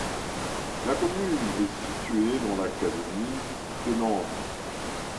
La commune est située dans l'académie de Nantes.